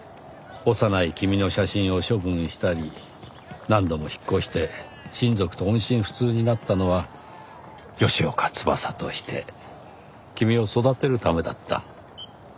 幼い君の写真を処分したり何度も引っ越して親族と音信不通になったのは吉岡翼として君を育てるためだった。